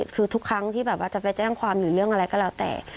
คือทุกครั้งที่แบบว่าจะไปแจ้งความหรือเรื่องอะไรก็แล้วแต่